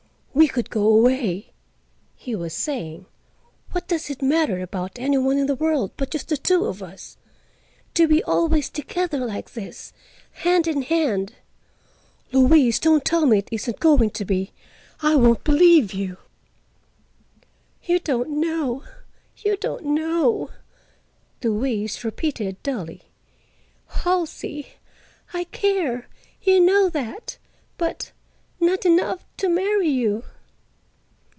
"We could go away," he was saying. "What does it matter about any one in the world but just the two of us? To be always together, like this, hand in hand; Louise—don't tell me it isn't going to be. I won't believe you." "You don't know; you don't know," Louise repeated dully. "Halsey, I care—you know that—but—not enough to marry you."